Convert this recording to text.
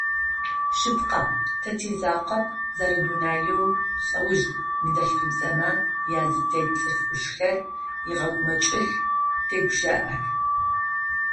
Шъыпкъэ, тэ тизакъоп, зэрэдунаеу лӏэуж ныдэлъфыбзэмэ язытет цӏыф ӏушхэр егъэгумэкӏых, тегущыӏэх.